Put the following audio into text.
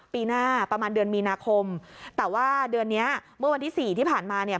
ปีหน้าประมาณเดือนมีนาคมแต่ว่าเดือนเนี้ยเมื่อวันที่สี่ที่ผ่านมาเนี่ย